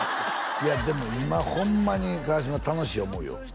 いやでも今ホンマに川島楽しい思うよ